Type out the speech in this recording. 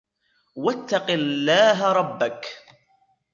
وَاتَّقِ اللَّهَ رَبَّك